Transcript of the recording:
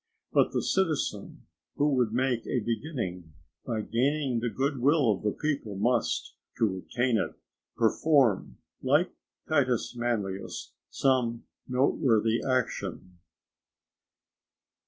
But the citizen who would make a beginning by gaining the good will of the people, must, to obtain it, perform, like Titus Manlius, some noteworthy action.